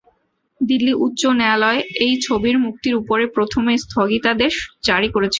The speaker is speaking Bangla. দিল্লি উচ্চ ন্যায়ালয় এই ছবির মুক্তির উপরে প্রথমে স্থগিতাদেশ জারি করেছিল।